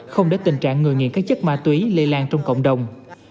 không để tình trạng người nghiện các chất ma túy lây lan trong cộng đồng